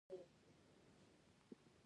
بېطرفه قاضي شخړه په قانون حل کوي.